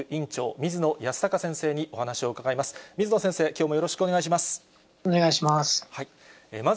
水野先生、きょうもよろしくお願お願いします。